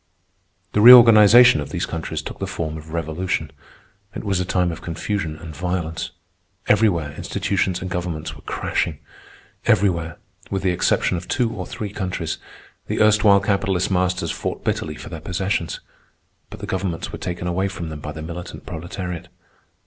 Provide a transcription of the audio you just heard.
The reorganization of these countries took the form of revolution. It was a time of confusion and violence. Everywhere institutions and governments were crashing. Everywhere, with the exception of two or three countries, the erstwhile capitalist masters fought bitterly for their possessions. But the governments were taken away from them by the militant proletariat.